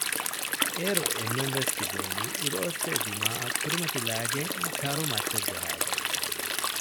އޭރު އެންމެންވެސް ތިބޭނީ އިރުއޮއްސޭ ދިމާއަށް ކުރިމަތިލައިގެން ކަރުމައްޗަށް ޖަހައިގެން